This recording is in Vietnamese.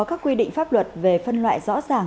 các quy định pháp luật về phân loại rõ ràng